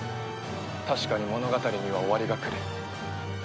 確かに物語には終わりが来る。